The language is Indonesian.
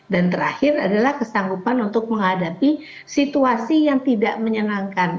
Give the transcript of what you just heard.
dan terakhir adalah kesanggupan untuk menghadapi situasi yang tidak menyenangkan